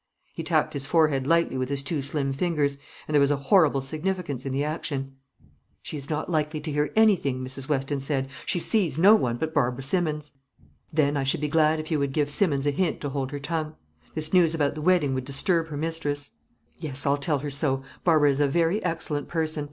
He tapped his forehead lightly with his two slim fingers, and there was a horrible significance in the action. "She is not likely to hear anything," Mrs. Weston said; "she sees no one but Barbara Simmons." "Then I should be glad if you would give Simmons a hint to hold her tongue. This news about the wedding would disturb her mistress." "Yes, I'll tell her so. Barbara is a very excellent person.